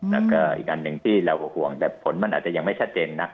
แล้วก็อีกอันหนึ่งที่เราก็ห่วงแต่ผลมันอาจจะยังไม่ชัดเจนนัก